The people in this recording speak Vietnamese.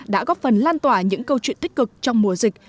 đã góp phần lan tỏa những câu chuyện tích cực trong mùa dịch